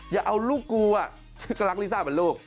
แต่แกล้งลูกกูกูจะรักลิซ่าเป็นลูก